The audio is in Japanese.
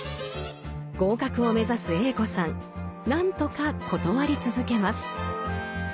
合格を目指すＡ子さん何とか断り続けます。